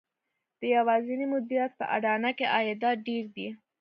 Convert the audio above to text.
د یوازېني مدیریت په اډانه کې عایدات ډېر دي